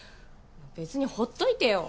別にほっといてよ